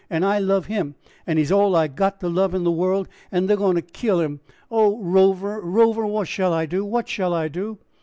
and I love him, and he's all I've got to love in the world, and they're goin' to kill him. Oh, Rover, Rover, what shall I do? what shall I do?"